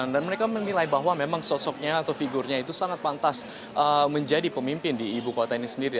dan mereka menilai bahwa sosoknya atau figurnya itu sangat pantas menjadi pemimpin di ibu kota ini sendiri